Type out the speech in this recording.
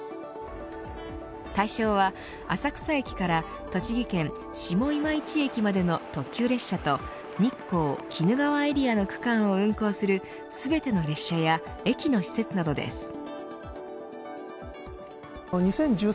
対象は浅草駅から栃木県下今市駅までの特急列車と日光・鬼怒川エリアの区間を運行する全ての列車や駅の施設などです。